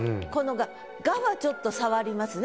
「が」はちょっと障りますね。